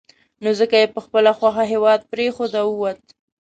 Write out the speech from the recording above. نو ځکه یې په خپله خوښه هېواد پرېښود او ووت.